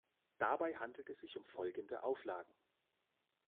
Dabei handelt es sich um folgende Auflagen.